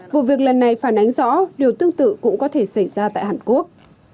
vụ việc lần này phản ánh rõ điều tương tự cũng có thể xảy ra tại hàn quốc